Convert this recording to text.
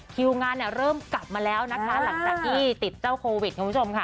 คิวงานเนี่ยเริ่มกลับมาแล้วนะคะหลังจากที่ติดเจ้าโควิดคุณผู้ชมค่ะ